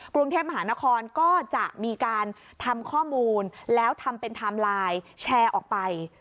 กรุงเทพมหานครก็จะมีการทำข้อมูลแล้วทำเป็นไทม์ไลน์แชร์ออกไป